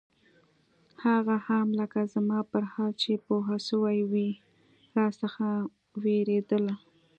هغه هم لکه زما پر حال چې پوهه سوې وي راڅخه نه وېرېدله.